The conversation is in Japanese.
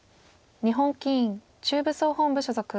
日本棋院中部総本部所属。